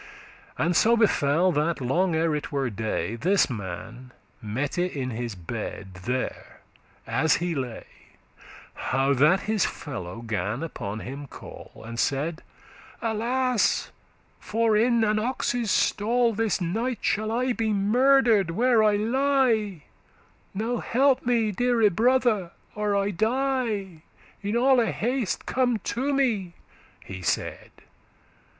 And so befell, that, long ere it were day, This man mette* in his bed, there: as he lay, *dreamed How that his fellow gan upon him call, And said, 'Alas! for in an ox's stall This night shall I be murder'd, where I lie Now help me, deare brother, or I die; In alle haste come to me,' he said.